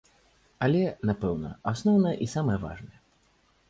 Але, напэўна, асноўныя і самыя важныя.